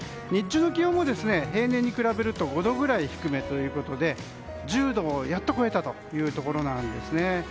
日中の気温も平年に比べると５度くらい低めということで、１０度をやっと超えたということです。